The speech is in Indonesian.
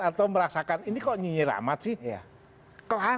atau merasakan ini kok nyinyir amat sih